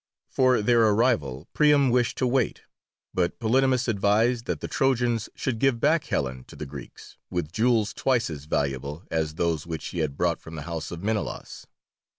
For their arrival Priam wished to wait, but Polydamas advised that the Trojans should give back Helen to the Greeks, with jewels twice as valuable as those which she had brought from the house of Menelaus.